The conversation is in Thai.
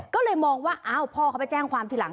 ก็เลยมองว่าอ้าวพ่อเขาไปแจ้งความทีหลัง